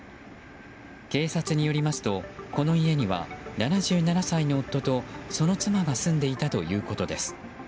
警察によりますと、この家には７７歳の夫とその妻が住んでいたということです。